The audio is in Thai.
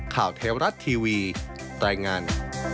ข่าวเทวรัฐทีวีรายงาน